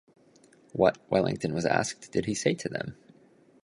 What, Wellington was asked, did he say to them?